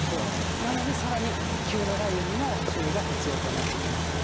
なのでさらに急な雷雨にも注意が必要となってきます。